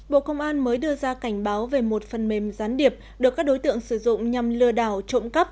bộ công an mới đưa ra cảnh báo về một phần mềm gián điệp được các đối tượng sử dụng nhằm lừa đảo trộm cắp